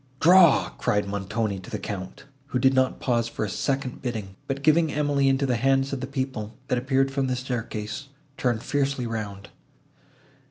"Draw!" cried Montoni to the Count, who did not pause for a second bidding, but, giving Emily into the hands of the people, that appeared from the staircase, turned fiercely round.